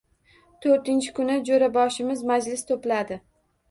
To‘rtinchi kuni jo‘raboshimiz «majlis» to‘pladi.